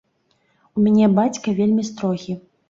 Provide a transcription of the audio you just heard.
У мяне бацька вельмі строгі.